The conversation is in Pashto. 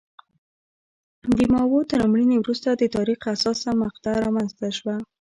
د ماوو تر مړینې وروسته د تاریخ حساسه مقطعه رامنځته شوه.